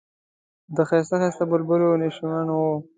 د ښایسته ښایسته بلبلو نشیمن و.